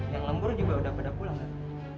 yang lembor juga udah pulang gak